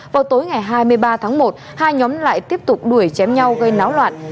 vào tối ngày hai mươi ba tháng một hai nhóm lại tiếp tục đuổi chém nhau gây náo loạn